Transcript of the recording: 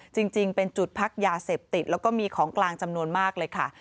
จริงเป็นจุดพักยาเสพติดแล้วก็มีของกลางจำนวนมากเลยค่ะ